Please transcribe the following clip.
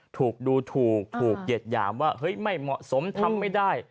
ถูกดูถูกถูกเหยียดหยามว่าเฮ้ยไม่เหมาะสมทำไม่ได้